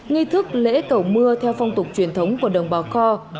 nghi thức lễ cầu mưa theo phong tục truyền thống của đồng bào kho